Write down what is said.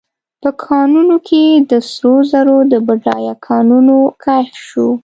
په کانونو کې د سرو زرو د بډایه کانونو کشف شو.